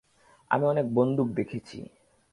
আমি অনেক বন্দুক দেখেছি।